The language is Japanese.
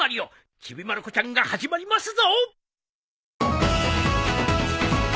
『ちびまる子ちゃん』が始まりますぞ！